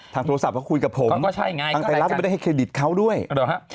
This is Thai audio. โทรศัพท์เขาคุยกับผมก็ใช่ไงทางไทยรัฐไม่ได้ให้เครดิตเขาด้วยเหรอฮะ